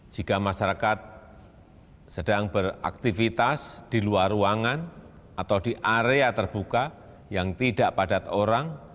jika masyarakat sedang beraktivitas di luar ruangan atau di area terbuka yang tidak padat orang